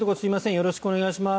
よろしくお願いします。